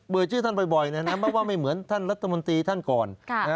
ชื่อท่านบ่อยไม่ว่าไม่เหมือนท่านรัฐมนตรีท่านก่อน